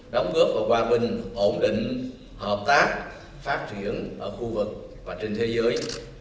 đóng góp vào hòa bình ổn định hợp tác phát triển ở khu vực và trên thế giới